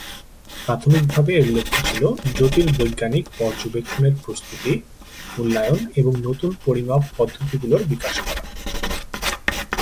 প্রাথমিকভাবে এর লক্ষ্য ছিল জ্যোতির্বৈজ্ঞানিক পর্যবেক্ষণের প্রস্তুতি, মূল্যায়ন এবং নতুন পরিমাপ পদ্ধতিগুলোর বিকাশ করা।